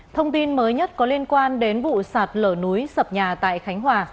thông tin mới nhất có liên quan đến vụ sạt lở núi sập nhà tại khánh hòa